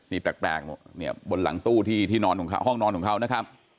นี่แปลกเนี่ยบนหลังตู้ที่นอนของเขาห้องนอนของเขานะครับ